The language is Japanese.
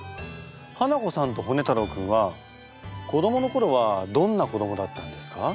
ハナコさんとホネ太郎君は子どものころはどんな子どもだったんですか？